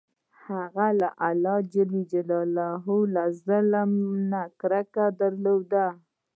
هغه ﷺ له ظلم نه کرکه درلوده.